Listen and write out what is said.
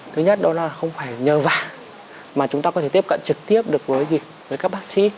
thứ nhất đó là không phải nhờ vả mà chúng ta có thể tiếp cận trực tiếp được với các bác sĩ